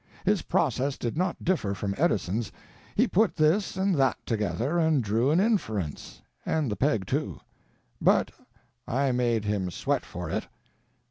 His process did not differ from Edison's; he put this and that together and drew an inference—and the peg, too; but I made him sweat for it.